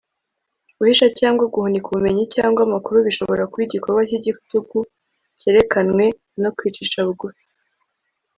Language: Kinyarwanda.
guhisha cyangwa guhunika ubumenyi cyangwa amakuru bishobora kuba igikorwa cy'igitugu cyerekanwe no kwicisha bugufi